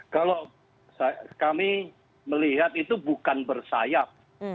kalau kami melihat itu bukan bersayap